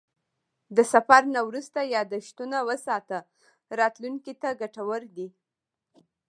د سفر نه وروسته یادښتونه وساته، راتلونکي ته ګټور دي.